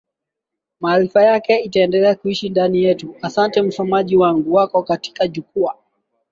Maarifa yake itaendelea kuishi ndani yetu Ahsante msomaji wanguWako katika Jukwaa